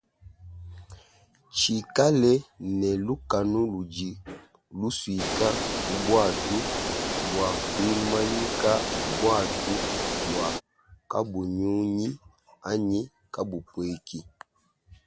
Tshikale ne lukanu ludi lusuika ku buatu bua kuimanyika buatu bua kabunyunyi anyi kabupueki.